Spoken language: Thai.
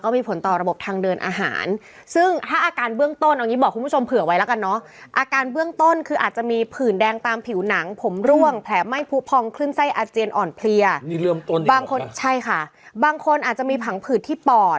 ไม่ได้แค่เป็นประเด็นนี้อีกใช่